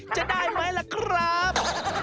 จะได้ไหมล่ะครับ